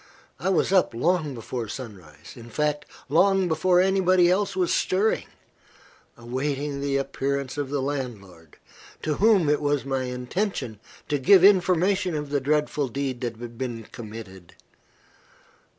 I was up long before sunrise in fact, long before anybody else was stirring awaiting the appearance of the landlord, to whom it was my intention to give information of the dreadful deed that had been committed.